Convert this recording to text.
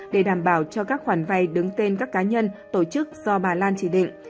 để đảm bảo cho các khoản vay đứng tên các cá nhân tổ chức do bà lan chỉ định